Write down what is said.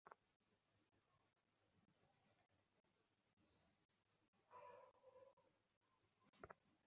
নিসার আলির ধারণা এরা ঘুমের ট্যাবলেট অ্যাপ্রনের পকেটে নিয়ে ঘুরে বেড়ায়।